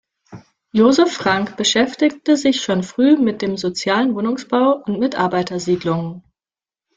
Josef Frank beschäftigte sich schon früh mit dem sozialen Wohnungsbau und mit Arbeitersiedlungen.